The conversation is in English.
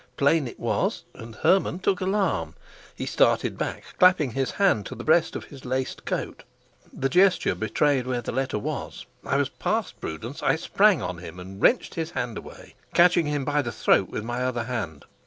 Plain it was, and Hermann took alarm. He started back, clapping his hand to the breast of his laced coat. The gesture betrayed where the letter was; I was past prudence; I sprang on him and wrenched his hand away, catching him by the throat with my other hand.